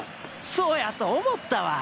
そうやと思ったわ！